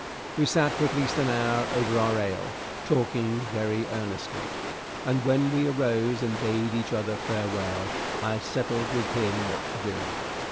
We sat for at least an hour over our ale, talking very earnestly, and when we arose and bade each other farewell I had settled with him what to do.